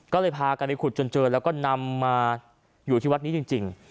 ก็เลยพากันไปขุดจนเจอแล้วก็นำมาอยู่ที่วัดนี้จริง